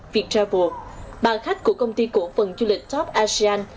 việt travel ba khách của công ty cổ phần du lịch top asean